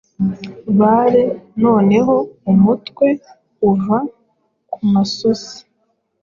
Bare noneho umutwe uva kumasosi